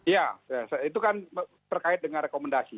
ya itu kan terkait dengan rekomendasi